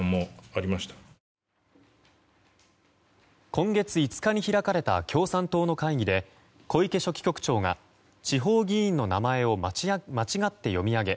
今月５日に開かれた共産党の会議で小池書記局長が地方議員の名前を間違って読み上げ